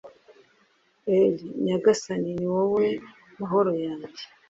r/ nyagasani ni wowe mahoro yanjye